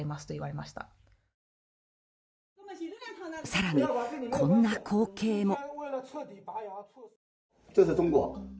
更に、こんな光景も。